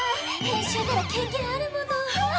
編集なら経験あるもの。